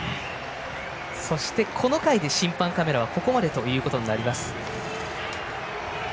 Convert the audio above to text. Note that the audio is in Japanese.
そして、この回で審判カメラはここまでということになります。